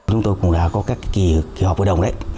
chúng tôi cũng đã có các kỳ họp hội đồng đấy